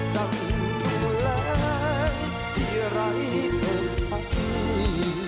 นั้นจุดแล้วที่ไร้เป็นฝัน